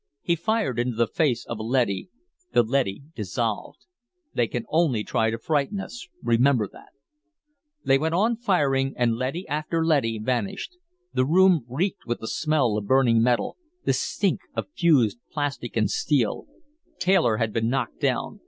He fired into the face of a leady. The leady dissolved. "They can only try to frighten us. Remember that." They went on firing and leady after leady vanished. The room reeked with the smell of burning metal, the stink of fused plastic and steel. Taylor had been knocked down.